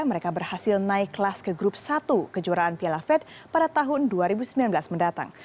mereka berhasil naik kelas ke grup satu kejuaraan piala fed pada tahun dua ribu sembilan belas mendatang